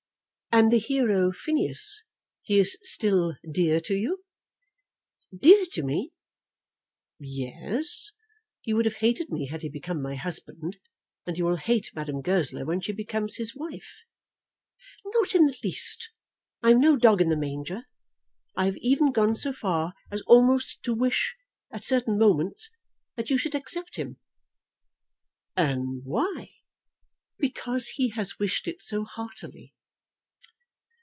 "And the hero, Phineas, he is still dear to you?" "Dear to me?" "Yes. You would have hated me, had he become my husband? And you will hate Madame Goesler when she becomes his wife?" "Not in the least. I am no dog in the manger. I have even gone so far as almost to wish, at certain moments, that you should accept him." "And why?" "Because he has wished it so heartily."